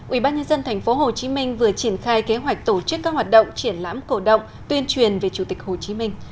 ubnd tp hcm vừa triển khai kế hoạch tổ chức các hoạt động triển lãm cổ động tuyên truyền về chủ tịch hồ chí minh